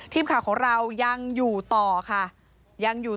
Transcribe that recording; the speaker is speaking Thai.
ทีมข่าวของเรายังอยู่ต่อค่ะ